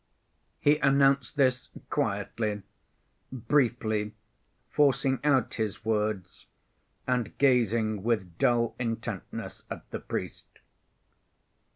He announced this quietly, briefly, forcing out his words, and gazing with dull intentness at the priest.